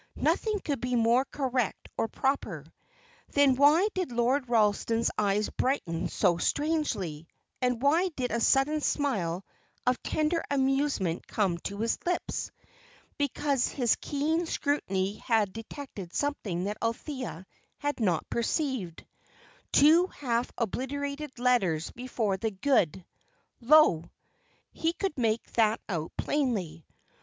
Nothing could be more correct or proper. Then why did Lord Ralston's eyes brighten so strangely, and why did a sudden smile of tender amusement come to his lips? Because his keen scrutiny had detected something that Althea had not perceived two half obliterated letters before the "good": "lo" he could make that out plainly.